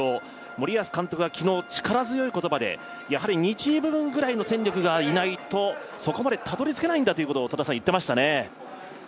森保監督が昨日、力強い言葉でやはり２チーム分くらいの戦力がいないとそこまでたどり着けないんだということを戸田さん、言ってましたね